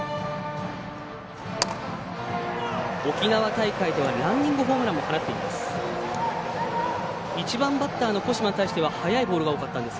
沖縄大会ではランニングホームランも放っています。